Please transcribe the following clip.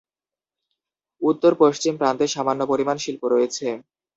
উত্তর-পশ্চিম প্রান্তে সামান্য পরিমাণ শিল্প রয়েছে।